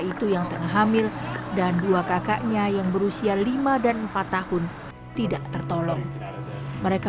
itu yang tengah hamil dan dua kakaknya yang berusia lima dan empat tahun tidak tertolong mereka